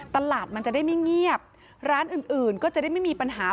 ตลาดมันจะได้ไม่เงียบร้านอื่นอื่นก็จะได้ไม่มีปัญหา